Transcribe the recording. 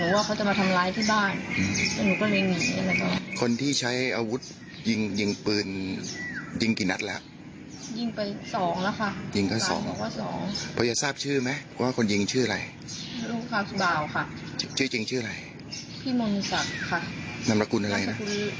ว่าคนยิงชื่ออะไรชื่อจริงชื่ออะไรนำละกุลอะไรนะ